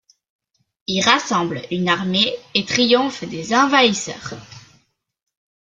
Il rassemble une armée et triomphe des envahisseurs.